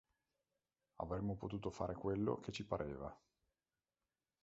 Avremmo potuto fare quello che ci pareva.